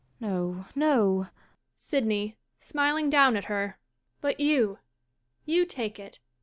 ] No — no — SYDNEY ISmiling down at her.'] But you — you take it.